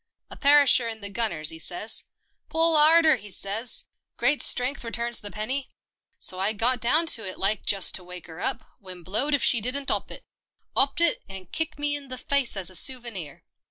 A perisher in the gunners, 'e says, ' Pull 'arder,' 'e says, ' Great strength returns the penny.' So I got down to it like, just to wake 'er up, when blowed if she didn't 'op it. 'Opped it, and kicked me in the faice as a souvenir."